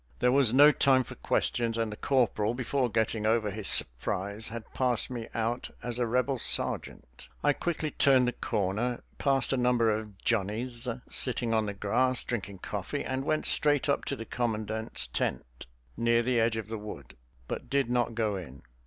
There was no time for questions, and the corporal, before getting over his surprise, had passed me out as a Rebel sergeant. I quickly turned the corner, passed a number of "Johnnies" sitting on the grass drinking coffee and went straight up to the commandent's tent, near the edge of the wood, but did not go in.